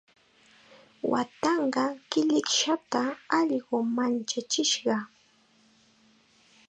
Waatanqaa killikshata allqu manchachishqa.